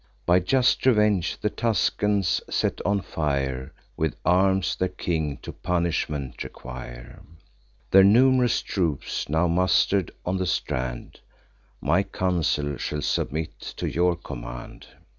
By just revenge the Tuscans set on fire, With arms, their king to punishment require: Their num'rous troops, now muster'd on the strand, My counsel shall submit to your command.